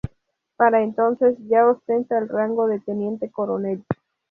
Para entonces ya ostenta el rango de Teniente coronel.